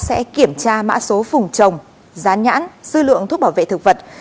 sẽ kiểm tra mã số phùng trồng rán nhãn dư lượng thuốc bảo vệ thực vật